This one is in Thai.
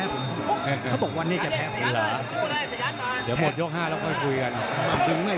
เอาละแบบนี้